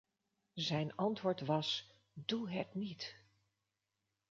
Zijn antwoord was "doe het niet".